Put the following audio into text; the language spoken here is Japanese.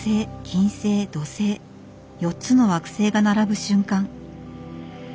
金星土星４つの惑星が並ぶ瞬間。